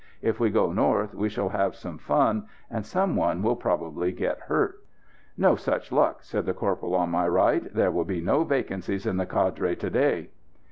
If we go north we shall have some fun, and some one will probably get hurt." "No such luck," said the corporal on my right; "there will be no vacancies in the cadre to day."